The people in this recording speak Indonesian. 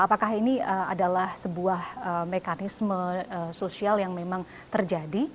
apakah ini adalah sebuah mekanisme sosial yang memang terjadi